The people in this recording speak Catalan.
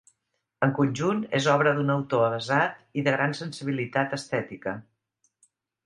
En conjunt, és obra d'un autor avesat i de gran sensibilitat estètica.